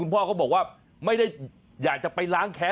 พ่อก็บอกว่าไม่ได้อยากจะไปล้างแค้น